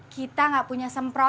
kita gak punya semprotan